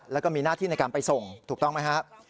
แล้วก็มีหน้าที่ในการไปส่งถูกต้องไหมครับ